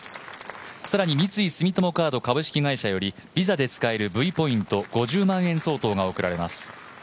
更に三井住友カード株式会社よりＶｉｓａで使えるＶポイント５０万円相当が贈られます。